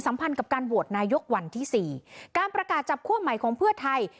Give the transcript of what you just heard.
พันธ์กับการโหวตนายกวันที่สี่การประกาศจับคั่วใหม่ของเพื่อไทย